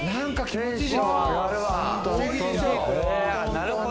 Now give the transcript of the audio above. なるほど。